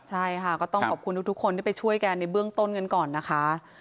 ใช่ค่ะก็ต้องขอบคุณทุกคนที่ไปช่วยกันในเบื้องต้นกันก่อนนะคะ